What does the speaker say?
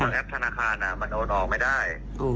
แอปธนาคารมันโอนออกไม่ได้